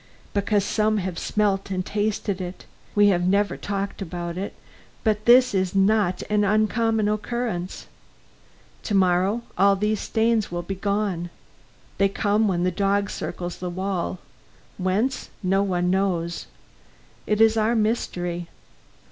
"Because some have smelt and tasted it. We have never talked about it, but this is not an uncommon occurrence. To morrow all these stains will be gone. They come when the dog circles the wall. Whence, no one knows. It is our mystery.